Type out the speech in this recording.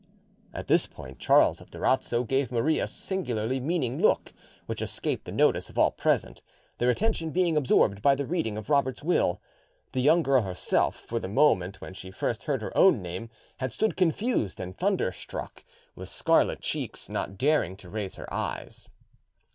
At this point Charles of Durazzo gave Marie a singularly meaning look, which escaped the notice of all present, their attention being absorbed by the reading of Robert's will. The young girl herself, from the moment when she first heard her own name, had stood confused and thunderstruck, with scarlet cheeks, not daring to raise her eyes.